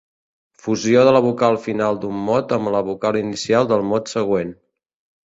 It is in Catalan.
Fusió de la vocal final d'un mot amb la vocal inicial del mot següent.